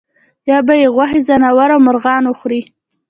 یا به یې غوښې ځناورو او مرغانو وخوړې.